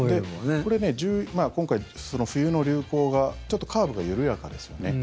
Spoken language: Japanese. これ今回、冬の流行がちょっとカーブが緩やかですよね。